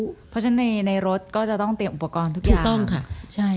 เพราะฉะนั้นในรถก็จะต้องเตรียมอุปกรณ์ทุกที่ถูกต้องค่ะใช่